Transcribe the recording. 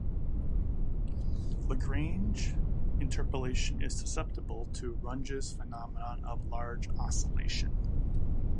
Lagrange interpolation is susceptible to Runge's phenomenon of large oscillation.